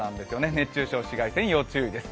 熱中症、紫外線要注意です。